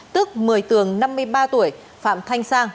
tức một mươi tường năm mươi ba tuổi phạm thanh sang